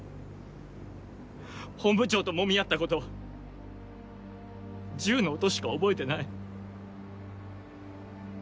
本部長ともみ合ったこと銃の音しか覚えてない。